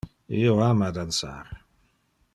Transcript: Io ama dansar.